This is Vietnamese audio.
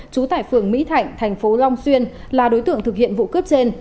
chú tải phường mỹ thạnh tp long xuyên là đối tượng thực hiện vụ cướp trên